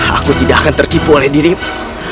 aku tidak akan tertipu oleh dirimu